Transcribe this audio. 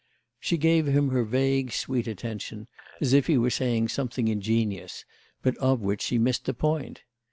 She gave him her vague sweet attention, as if he were saying something ingenious but of which she missed the point.